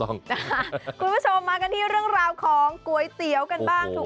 คุณผู้ชมมากันที่เรื่องราวของก๋วยเตี๋ยวกันบ้างถูก